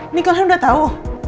ini kalian udah tahu